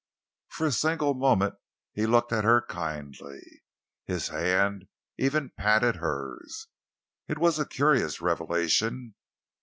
For a single moment he looked at her kindly. His hand even patted hers. It was a curious revelation.